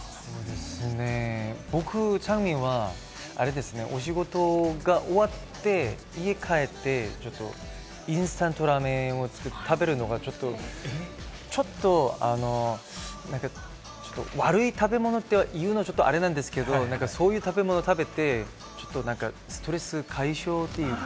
僕、チャンミンはあれですね、お仕事が終わって家帰って、インスタントラーメンを食べるのが、ちょっと悪い食べ物というのはあれなんですけれども、そういう食べ物を食べて、ストレス解消というか。